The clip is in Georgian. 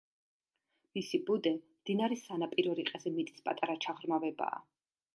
მისი ბუდე მდინარის სანაპირო რიყეზე მიწის პატარა ჩაღრმავებაა.